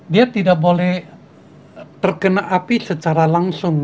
dia tidak boleh terkena api secara langsung